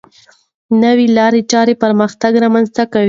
نوې لارې چارې پرمختګ رامنځته کوي.